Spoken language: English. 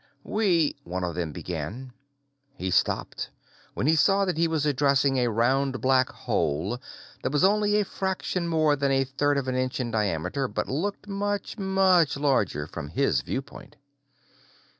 "We " one of them began. He stopped when he saw that he was addressing a round, black hole that was only a fraction more than a third of an inch in diameter but looked much, much larger from his viewpoint.